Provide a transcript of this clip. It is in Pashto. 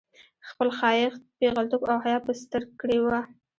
خپل ښايیت، پېغلتوب او حيا په ستر کړې وه